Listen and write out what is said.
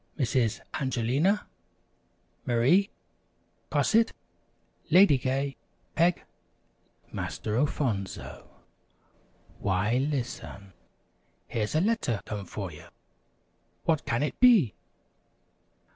"Misses Angelina, Marie, Cosette, Lady Gay, Peg, Master Alfonso, why, listen! Here's a letter come for you. What can it be?